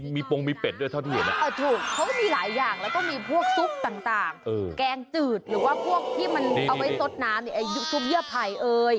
มีปงมีเป็ดด้วยเท่าที่เห็นถูกเขาก็มีหลายอย่างแล้วก็มีพวกซุปต่างแกงจืดหรือว่าพวกที่มันเอาไว้ซดน้ำซุปเยื่อไผ่เอ่ย